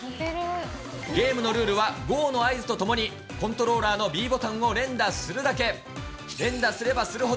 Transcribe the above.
ゲームのルールはゴーの合図とともに、コントローラーのＢボタンを連打するだけ。